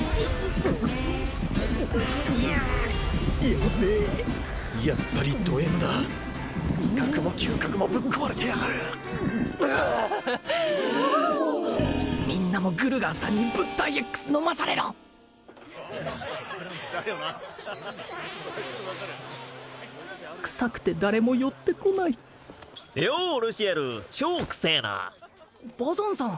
・やべえ・やっぱりドＭだ・味覚も嗅覚もぶっ壊れてやがるおおみんなもグルガーさんに物体Ｘ飲まされろ臭くて誰も寄ってこないようルシエル超臭えなバザンさん